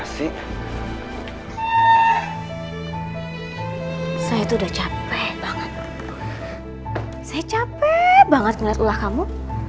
saya capek banget ngeliat ulah kamu